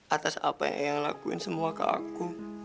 atas apa yang lakuin semua ke aku